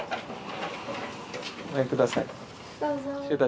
ごめんください。